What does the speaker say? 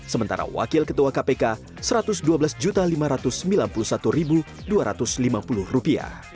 sementara wakil ketua kpk rp satu ratus dua belas lima ratus sembilan puluh satu dua ratus lima puluh